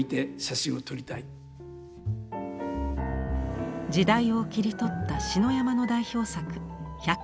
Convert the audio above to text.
時代を切り取った篠山の代表作１１６点。